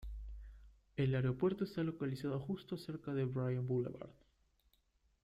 El aeropuerto está localizado justo cerca de Bryan Boulevard.